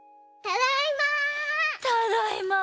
ただいま。